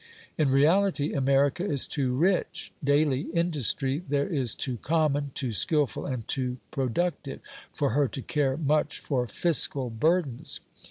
In reality America is too rich; daily industry there is too common, too skilful, and too productive, for her to care much for fiscal burdens.